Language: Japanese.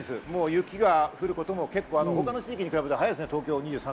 雪が降ることも他の地域に比べて早いですよね。